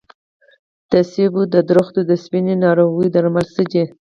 د مڼو د ونو د سپینې ناروغۍ درمل څه دي؟